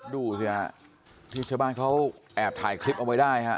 ดูสิฮะที่ชาวบ้านเขาแอบถ่ายคลิปเอาไว้ได้ฮะ